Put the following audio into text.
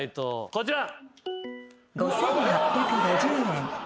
こちら。